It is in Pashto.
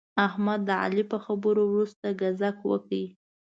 احمد د علي په خبرو ورسته ګذک وکړ.